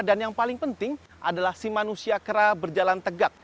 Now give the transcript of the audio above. dan yang paling penting adalah si manusia kera berjalan tegak